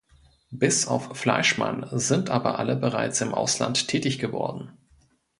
Bis auf Fleischmann sind aber alle bereits im Ausland tätig geworden.